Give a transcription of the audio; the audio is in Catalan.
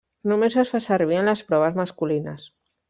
Només es fa servir en les proves masculines.